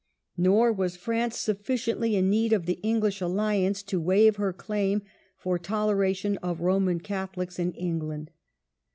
Nor was France sufficiently in need of the Eng Hsh alliance to waive her claim for toleration of Roman Catholics in England.